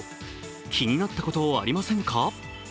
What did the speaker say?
気になったことありませんか？